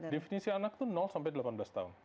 definisi anak itu sampai delapan belas tahun